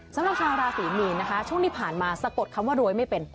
สำหรับชาวราศีมีนนะคะช่วงที่ผ่านมาสะกดคำว่ารวยไม่เป็น